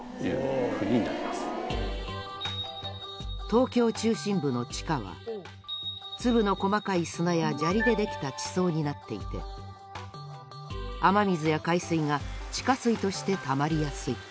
東京中心部の地下は粒の細かい砂や砂利でできた地層になっていて雨水や海水が地下水としてたまりやすい。